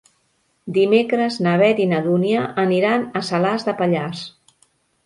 Dimecres na Beth i na Dúnia aniran a Salàs de Pallars.